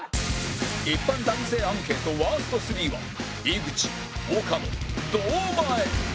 一般男性アンケートワースト３は井口岡野堂前